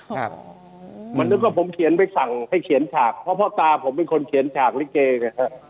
คือผมเขียนไปสั่งให้เขียนฉากเพราะพ่อตาผมเป็นคนเขียนฉากริเกค